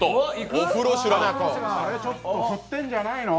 ちょっと振ってるんじゃないの？